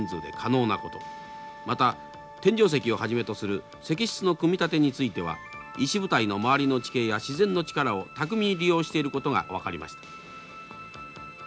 また天井石をはじめとする石室の組み立てについては石舞台の周りの地形や自然の力を巧みに利用していることが分かりました。